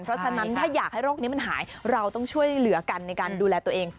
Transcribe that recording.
เพราะฉะนั้นถ้าอยากให้โรคนี้มันหายเราต้องช่วยเหลือกันในการดูแลตัวเอง